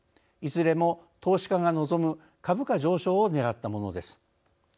いずれも投資家が望む株価上昇をねらったものです。